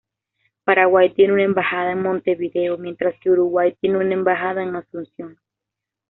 Paraguay tiene una embajada en Montevideo, mientras que Uruguay tiene una embajada en Asunción.